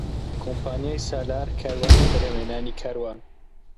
کۆمپانیای سالار کاروانی بەرهەمهێنانی کاروان